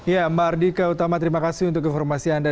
ya mbak ardika utama terima kasih untuk informasi anda